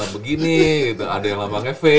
begini ada yang lambangnya v